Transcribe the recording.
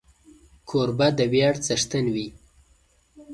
کوربه د ویاړ څښتن وي.